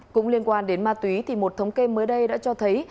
cũng liên quan đến ma túy thì một thống kê mới đây đã cho thấy